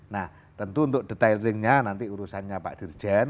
nah tentu untuk detailingnya nanti urusannya pak dirjen